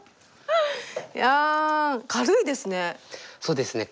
いや軽いですね。